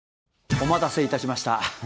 お待たせいたしました。